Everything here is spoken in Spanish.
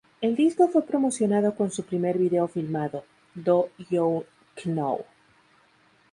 El disco fue promocionado con su primer video filmado "Do You Know".